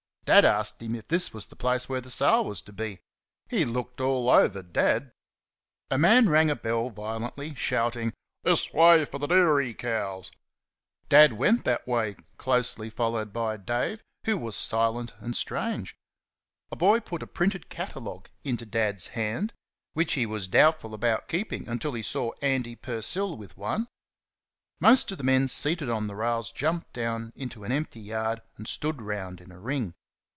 Dad asked him if this was the place where the sale was to be. He looked all over Dad. A man rang a bell violently, shouting, "This way for the dairy cows!" Dad went that way, closely followed by Dave, who was silent and strange. A boy put a printed catalogue into Dad's hand, which he was doubtful about keeping until he saw Andy Percil with one. Most of the men seated on the rails jumped down into an empty yard and stood round in a ring.